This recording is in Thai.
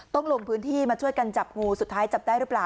ลงพื้นที่มาช่วยกันจับงูสุดท้ายจับได้หรือเปล่า